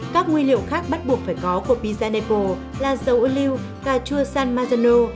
các nguyên liệu khác bắt buộc phải có của pizza napoli là dầu olive cà chua san marzano